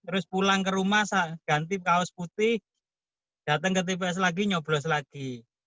rumah ganti kaos putih datang ke tps lagi nyoblos lagi